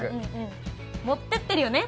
持ってってるよね？